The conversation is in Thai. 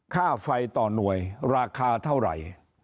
ค่าไฟต่อหน่วยราคาเท่าไหร่